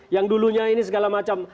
yang dulunya ini segala macam